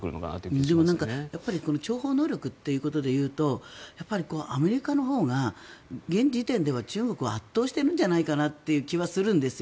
でもやっぱり諜報能力ということで言うとアメリカのほうが現時点では中国を圧倒しているんじゃないかなという気はするんですよ。